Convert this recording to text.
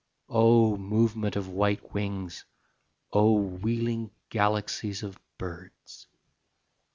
Oh movement of white wings, Oh wheeling galaxies of birds